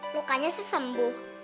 mukanya sih sembuh